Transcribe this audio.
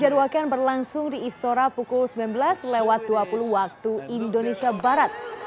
dijadwalkan berlangsung di istora pukul sembilan belas lewat dua puluh waktu indonesia barat